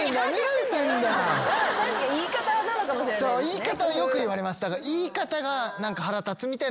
言い方はよく言われます。